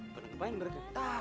pernah main bergantung